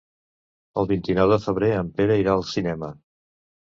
El vint-i-nou de febrer en Pere irà al cinema.